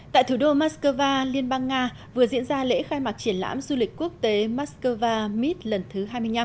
tại thủ đô moscow liên bang nga vừa diễn ra lễ khai mạc triển lãm du lịch quốc tế moscow mit lần thứ hai mươi năm